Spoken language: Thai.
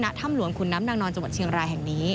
ณถ้ำแลวเงินคุณน้ำดังนอนจบฯเชียญรายแห่งนี้